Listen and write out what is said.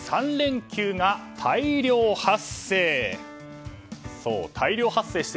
３連休が大量発生。